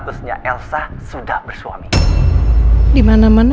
kalau ternyata elsa tanpa penyakit lagi berarti dia akan menyerang kakaknya